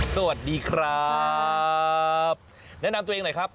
สวัสดีครับแนะนำตัวเองหน่อยครับ